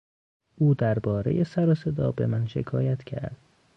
او دربارهی سر و صدا به من شکایت کرد.